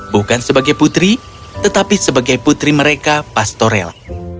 bukan sebagai putri tetapi sebagai putri mereka pastorella